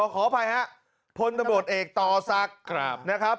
ขออภัยครับพลตบริษัทเอกตลอดสักนะครับ